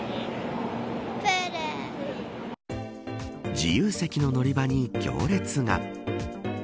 自由席の乗り場に行列が。